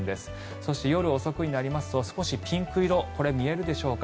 そして、夜遅くになりますと少しピンク色これ、見えるでしょうか。